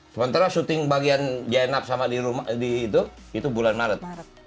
sementara syuting bagian jnab sama di itu itu bulan maret